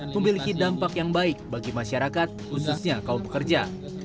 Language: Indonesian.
memiliki dampak yang baik bagi masyarakat khususnya kaum pekerja